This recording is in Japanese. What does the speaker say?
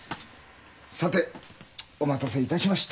さてお待たせいたしました。